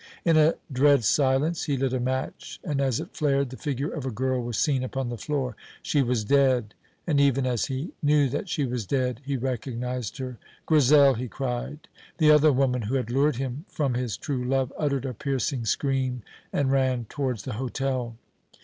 In a dread silence he lit a match, and as it flared the figure of a girl was seen upon the floor. She was dead; and even as he knew that she was dead he recognized her. "Grizel!" he cried. The other woman who had lured him from his true love uttered a piercing scream and ran towards the hotel.